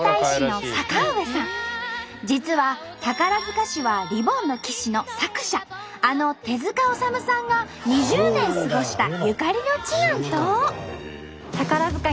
実は宝塚市は「リボンの騎士」の作者あの手治虫さんが２０年過ごしたゆかりの地なんと！